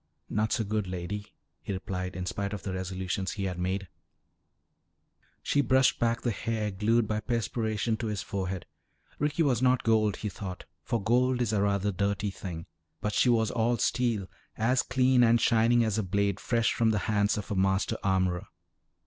"Not so good, Lady," he replied in spite of the resolutions he had made. She brushed back the hair glued by perspiration to his forehead. Ricky was not gold, he thought, for gold is a rather dirty thing. But she was all steel, as clean and shining as a blade fresh from the hands of a master armorer.